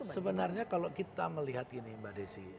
sebenarnya kalau kita melihat ini mbak desi